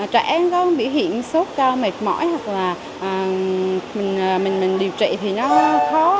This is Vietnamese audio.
trẻ có biểu hiện sốt mệt mỏi hoặc là mình điều trị thì nó khó